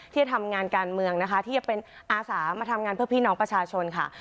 ที่จะทำงานการเมืองนะคะที่จะเป็นอาสามาทำงานเพื่อพี่น้องประชาชนค่ะ